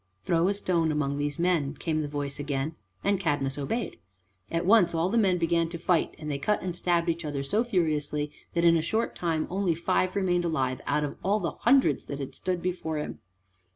"Throw a stone among these men," came the voice again, and Cadmus obeyed. At once all the men began to fight, and they cut and stabbed each other so furiously that in a short time only five remained alive out of all the hundreds that had stood before him.